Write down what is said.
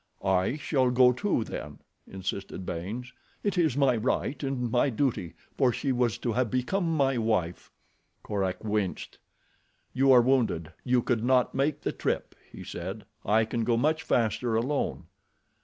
"I shall go, too, then," insisted Baynes. "It is my right and my duty, for she was to have become my wife." Korak winced. "You are wounded. You could not make the trip," he said. "I can go much faster alone."